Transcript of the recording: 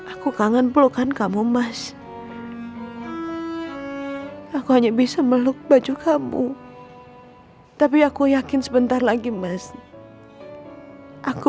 aku kangen pelukan kamu mas aku hanya bisa meluk baju kamu tapi aku yakin sebentar lagi mas aku